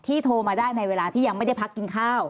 โทรมาได้ในเวลาที่ยังไม่ได้พักกินข้าว